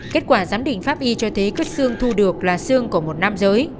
kết quả giám định pháp y cho thấy kết xương thu được là xương của một nam giới